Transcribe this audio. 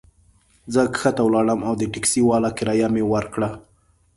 زه کښته ولاړم او د ټکسي والا کرایه مي ورکړه.